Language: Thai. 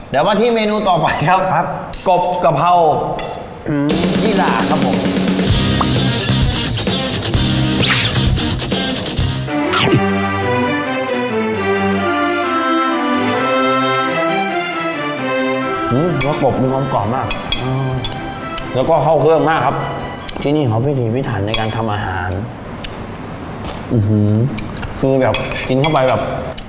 เดี๋ยวมาที่เมนูต่อไปครับ